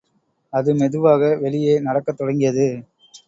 அது மெதுவாக வெளியே நடக்கத் தொடங்கியது.